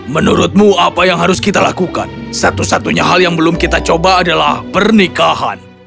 menurutmu apa yang harus kita lakukan satu satunya hal yang belum kita coba adalah pernikahan